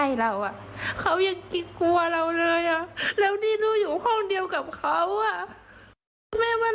นี่แหละเธอบอกวันนี้เธอก็ยังแบบไม่สบายใจมันกังวลไปหมด